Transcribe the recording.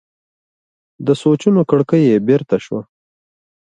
د سوچونو کړکۍ یې بېرته شوه.